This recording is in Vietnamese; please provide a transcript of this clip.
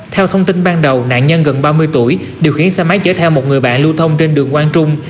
theo thông tin ban đầu nạn nhân gần ba mươi tuổi điều khiển xe máy chở theo một người bạn lưu thông trên đường quang trung